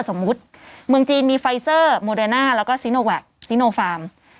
สมมุติเมืองจีนมีไฟเซอร์โมเดอร์น่าแล้วก็ซีโนแวคซีโนฟาร์ม